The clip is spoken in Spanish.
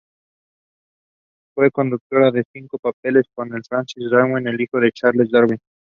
Fue coautora de cinco papeles con Francis Darwin, el hijo de Charles Darwin.